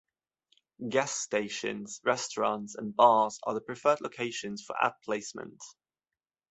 Gas stations, restaurants, and bars are the preferred locations for ad placement.